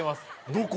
どこ？